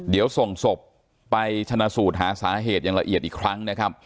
เดี๋ยวส่งศพไปชนะสูตรหาสาเหตุอย่างละเอียดอีกครั้งนะครับ